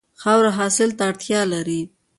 خاوره حاصل ته اړتیا لري.